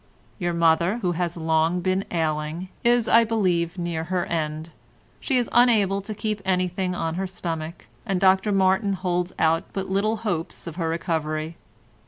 Your mother, who has long been ailing, is, I believe, near her end; she is unable to keep anything on her stomach, and Dr Martin holds out but little hopes of her recovery.